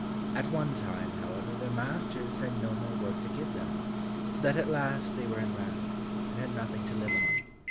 At one time, however, their masters had no more work to give them, so that at last they were in rags, and had nothing to live on.